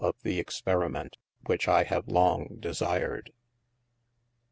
of the experimet which I have long desired.